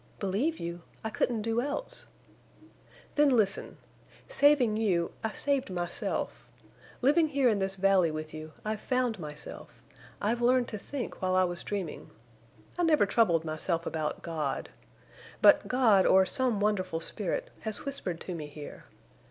"Believe you! I couldn't do else." "Then listen!... Saving you, I saved myself. Living here in this valley with you, I've found myself. I've learned to think while I was dreaming. I never troubled myself about God. But God, or some wonderful spirit, has whispered to me here.